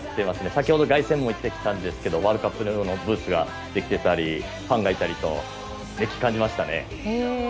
先ほど、凱旋門行ってきたんですけどワールドカップのブースができていたりファンがいたりと熱気を感じましたね。